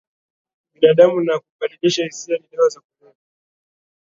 binadamu na kumbadilisha hisia ni dawa za kulevya